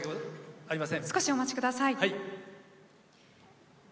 少しお待ちください。